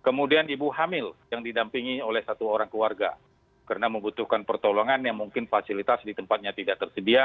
kemudian ibu hamil yang didampingi oleh satu orang keluarga karena membutuhkan pertolongan yang mungkin fasilitas di tempatnya tidak tersedia